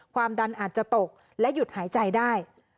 ความดันอาจจะตกและหยุดหายใจได้